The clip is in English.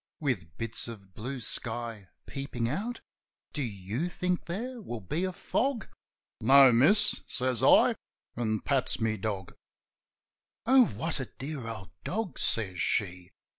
With bits of blue sky peepin' out. Do you think there will be a fog?" "No, miss," says I, an' pats my dog. "Oh, what a dear old dog!" says she.